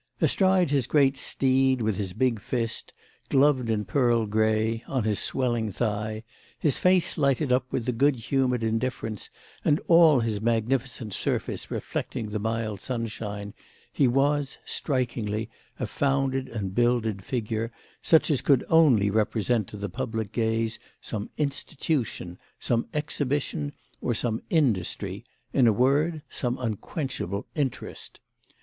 Astride his great steed, with his big fist, gloved in pearl grey, on his swelling thigh, his face lighted up with good humoured indifference and all his magnificent surface reflecting the mild sunshine, he was, strikingly, a founded and builded figure, such as could only represent to the public gaze some Institution, some Exhibition or some Industry, in a word some unquenchable Interest.